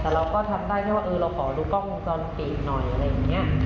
แต่เราก็ทำได้ว่าเราขอดูกล้องจอนปีอีกหน่อยอะไรเหมือนเนี่ย